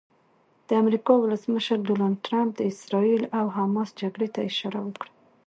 د امریکا ولسمشر ډونالډ ټرمپ د اسراییل او حماس جګړې ته اشاره وکړه.